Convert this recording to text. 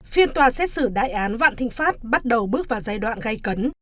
phiên tòa xét xử đại án vạn thinh phát bắt đầu bước vào giai đoạn gây cấn